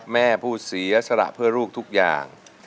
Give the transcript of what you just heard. แม่ผู้เสียสละเพื่อลูกทุกอย่าง